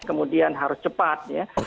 kemudian harus cepat